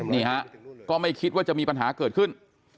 นี่ฮะก็ไม่คิดว่าจะมีปัญหาเกิดขึ้น